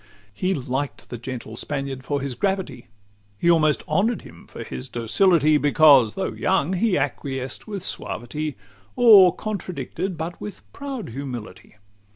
XXII He liked the gentle Spaniard for his gravity; He almost honour'd him for his docility; Because, though young, he acquiesced with suavity, Or contradicted but with proud humility.